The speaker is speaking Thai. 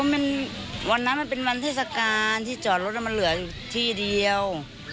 วันนั้นมันเป็นวันเทศกาลที่จอดรถมันเหลือที่เดียว